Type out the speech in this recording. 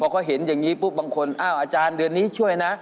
เขาเห็นอย่างนี้ปุ๊บบางคนอ้าวอาจารย์เดือนนี้ช่วยนะ